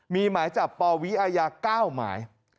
มีหมายจับปวิอาญา๙หมาย